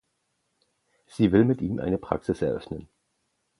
Sie will mit ihm eine Praxis eröffnen.